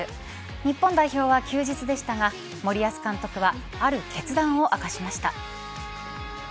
日本代表は休日でしたが森保監督はある決断を明かしました。